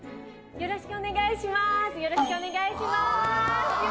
よろしくお願いします